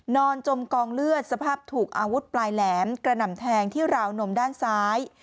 จมกองเลือดสภาพถูกอาวุธปลายแหลมกระหน่ำแทงที่ราวนมด้านซ้าย